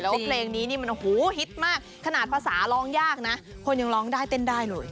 แล้วเพลงนี้นี่มันโอ้โหฮิตมากขนาดภาษาร้องยากนะคนยังร้องได้เต้นได้เลย